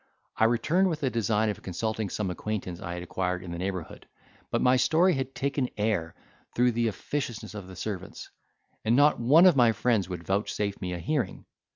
I returned with a design of consulting some acquaintance I had acquired in the neighbourhood; but my story had taken air through the officiousness of the servants, and not one of my friends would vouchsafe me a hearing.